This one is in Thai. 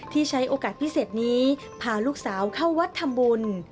ใช้โอกาสพิเศษนี้พาลูกสาวเข้าวัดทำบุญ